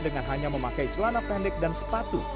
dengan hanya memakai celana pendek dan sepatu